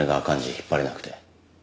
引っ張れなくて。